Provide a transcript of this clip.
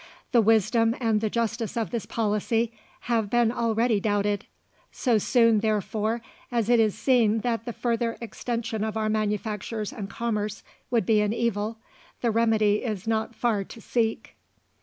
The wisdom and the justice of this policy have been already doubted. So soon, therefore, as it is seen that the further extension of our manufactures and commerce would be an evil, the remedy is not far to seek.